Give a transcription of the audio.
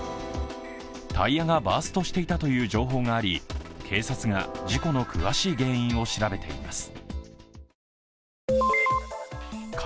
タイヤがバーストしていたという情報があり、警察が事故の詳しい原因を調べています。